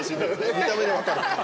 見た目で分かるから。